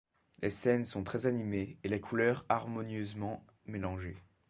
Les scènes sont très animées et les couleurs harmonieusement mélangées.